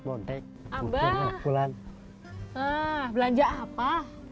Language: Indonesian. apa belanja apa